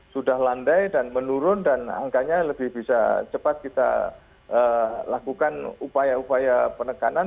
sudah landai dan menurun dan angkanya lebih bisa cepat kita lakukan upaya upaya penekanan